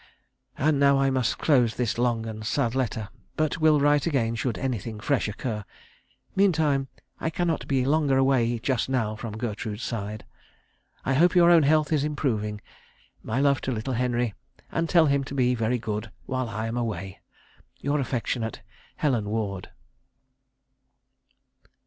And now I must close this long and sad letter, but will write again should anything fresh occur; meantime, I cannot be longer away just now from Gertrude's side. I hope your own health is improving. My love to little Henry, and tell him to be very good while I am away. "Your affectionate "HELEN WARD."